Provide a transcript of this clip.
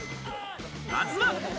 まずは。